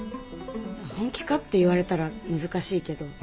本気かって言われたら難しいけど。